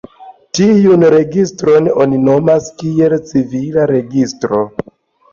Tiun registron oni nomas kiel "civila registro".